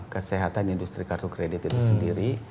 kesehatan industri kartu kredit itu sendiri